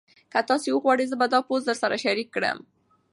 که تاسي وغواړئ زه به دا پوسټ درسره شریک کړم.